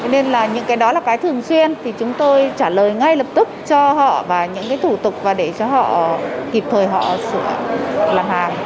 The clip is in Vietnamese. nên là những cái đó là cái thường xuyên thì chúng tôi trả lời ngay lập tức cho họ và những cái thủ tục và để cho họ kịp thời họ làm hàng